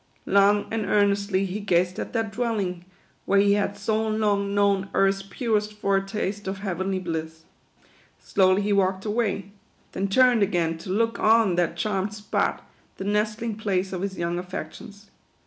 Long and earnestly he gazed at that dwelling, where he had so long known earth's purest foretaste of heavenly bliss. Slowly he walked away ; then turned again to look on that charmed spot, the nest ling place of his young affections.